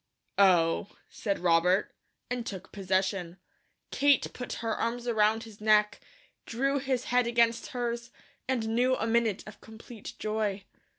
"Oh," said Robert, and took possession. Kate put her arms around his neck, drew his head against hers, and knew a minute of complete joy.